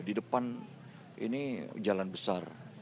di depan ini jalan besar